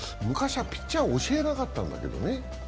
昔はピッチャーを教えなかったんだけどね。